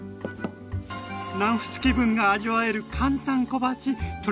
南仏気分が味わえる簡単小鉢トレビアーン！